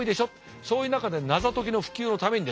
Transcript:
そういう中で謎解きの普及のためにですね